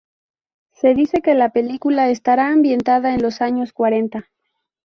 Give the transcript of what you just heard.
Se dice que la película estará ambientada en los años cuarenta.